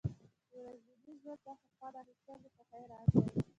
د ورځني ژوند څخه خوند اخیستل د خوښۍ راز دی.